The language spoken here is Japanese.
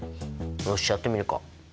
よしやってみるか。